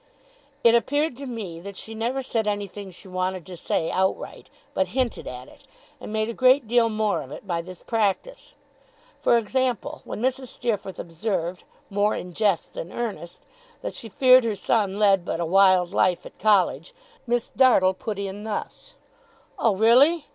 It appeared to me that she never said anything she wanted to say, outright; but hinted it, and made a great deal more of it by this practice. For example, when Mrs. Steerforth observed, more in jest than earnest, that she feared her son led but a wild life at college, Miss Dartle put in thus: 'Oh, really?